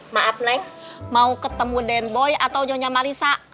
maaf nek mau ketemu den boy atau nyonya marissa